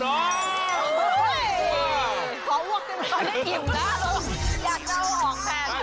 อยากจะวอกแทน